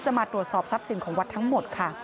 จะมาตรวจสอบซับสินของวัดทั้งหมดค่ะ